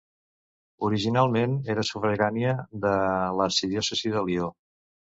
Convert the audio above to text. Originalment era sufragània de l'arxidiòcesi de Lió.